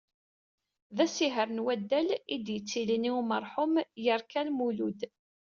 D asiher n waddal, i d-yettilin i umarḥum Yarkal Mulud.